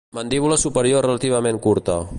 Mandíbula superior relativament curta.